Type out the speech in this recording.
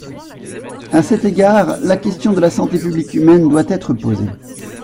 À cet égard, la question de la santé publique humaine doit être posée.